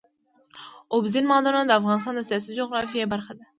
اوبزین معدنونه د افغانستان د سیاسي جغرافیه برخه ده.